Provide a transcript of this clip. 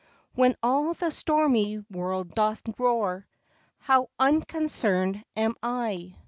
When all the stormy world doth roar, How unconcerned am I